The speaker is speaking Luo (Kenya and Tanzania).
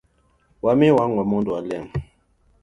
Wa mi wangwa mondo wa lem.